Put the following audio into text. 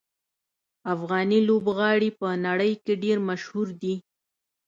افغاني لوبغاړي په نړۍ کې ډېر مشهور دي.